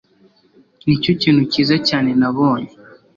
Nicyo kintu cyiza cyane nabonye